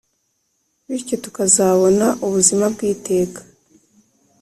Bityo tukazabona ubuzima bw’iteka